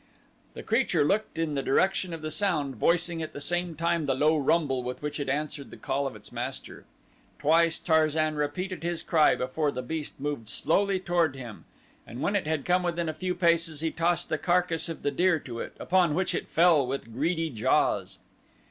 The creature looked in the direction of the sound voicing at the same time the low rumble with which it answered the call of its master. Twice Tarzan repeated his cry before the beast moved slowly toward him, and when it had come within a few paces he tossed the carcass of the deer to it, upon which it fell with greedy jaws.